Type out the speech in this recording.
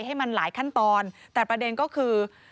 ให้มันหลายขั้นตอนแต่ประเด็นก็คือ